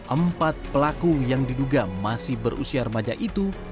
empat pelaku yang diduga masih berusia remaja itu